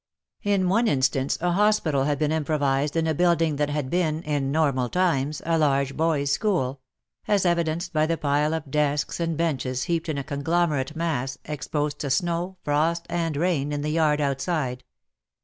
In one instance a hospital had been improv ized in a building that had been, in normal times, a large boys' school — as evidenced by the pile of desks and benches heaped in a conglomerate mass, exposed to snow, frost and rain, in the yard outside.